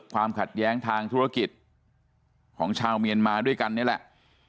ความขัดแย้งทางธุรกิจของชาวเมียนมาด้วยกันนี่แหละ